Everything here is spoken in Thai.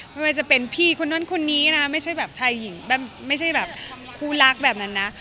ไม่ว่าจะเป็นพี่คนนั้นคนนี้นะไม่ใช่แบบชายหญิงแบบไม่ใช่แบบคู่รักแบบนั้นนะ